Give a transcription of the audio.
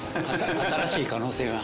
新しい可能性が。